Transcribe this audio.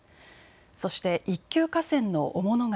そして一級河川の雄物川。